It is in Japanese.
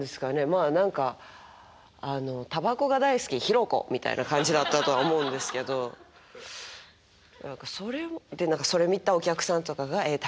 まあ何かあの「タバコが大好きヒロコ」みたいな感じだったとは思うんですけど何かそれをでそれ見たお客さんとかが「え？